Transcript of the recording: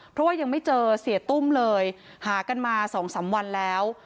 เพราะว่ายังไม่เจอเศรษฐ์ตุ้มเลยหากันมาสองสามวันแล้ว